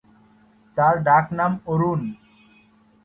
তার ডাকনাম অরুণ।